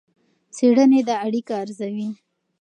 څېړنې دا اړیکه ارزوي.